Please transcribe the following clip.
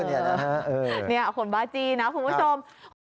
นี่คุณบาจี้นะคุณผู้ชม